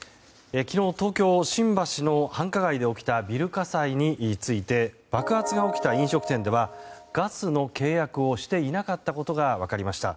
昨日、東京・新橋の繁華街で起きたビル火災について爆発が起きた飲食店ではガスの契約をしていなかったことが分かりました。